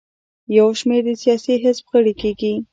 یو شمېر د سیاسي حزب غړي کیږي.